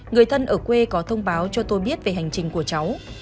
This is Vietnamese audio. người thân ở quê có thông báo cho tôi biết về hành trình của cháu